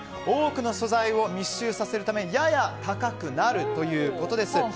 多くの素材を密集させるためやや高くなるということです。